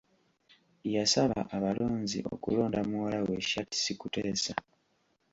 Yasaba abalonzi okulonda muwala we Shartsi Kuteesa.